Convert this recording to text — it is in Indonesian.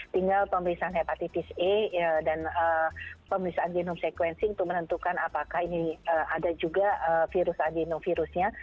tinggal pemeriksaan hepatitis e dan pemeriksaan genome sequencing untuk menentukan apakah ini ada juga virus adenovirusnya